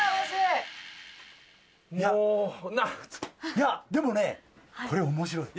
いやでもねこれ面白い。